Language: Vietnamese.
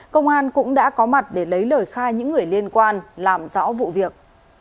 công an cũng đã có mặt để lấy lời khai những người liên quan làm rõ vụ việc